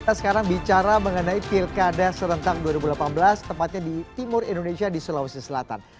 kita sekarang bicara mengenai pilkada serentak dua ribu delapan belas tempatnya di timur indonesia di sulawesi selatan